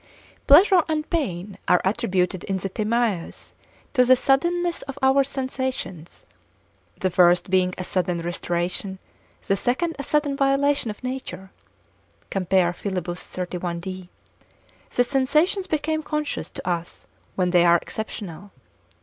Pleasure and pain are attributed in the Timaeus to the suddenness of our sensations—the first being a sudden restoration, the second a sudden violation, of nature (Phileb.). The sensations become conscious to us when they are exceptional.